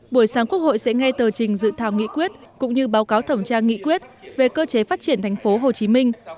buổi sáng quốc hội sẽ nghe tờ trình dự thảo nghị quyết cũng như báo cáo thẩm tra nghị quyết về cơ chế phát triển thành phố hồ chí minh